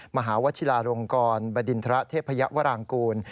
มหาวชิลาลงกรบดินทระเทพยวรางกูล